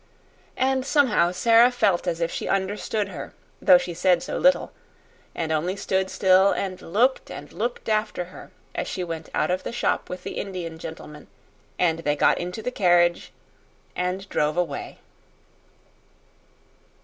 And, somehow, Sara felt as if she understood her, though she said so little, and only stood still and looked and looked after her as she went out of the shop with the Indian gentleman, and they got into the carriage and drove away.